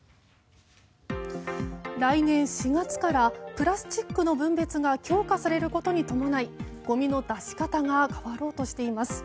来年４月からプラスチックの分別が強化されることに伴いゴミの出し方が変わろうとしています。